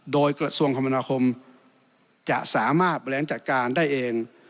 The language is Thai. โดยกระทรวงคมนาคมจะสามารถบริหารจัดการได้เอง